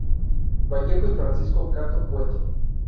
Vallejo y Francisco "Cato" Cueto.